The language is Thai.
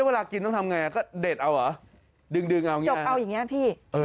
เวลากินต้องทำไงก็เด็ดเอาหรอดึงเอาอย่างนี้